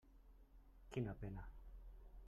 Quina pena.